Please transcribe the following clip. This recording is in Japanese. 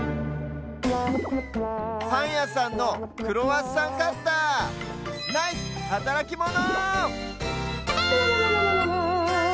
パンやさんの「クロワッサンカッター」ナイスはたらきモノ！